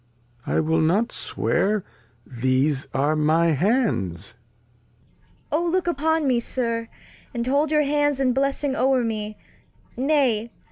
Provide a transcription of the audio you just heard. I will not swear These are my Hands. Cord. O look upon me. Sir, And hold your Hands in Blessing over me ; nay.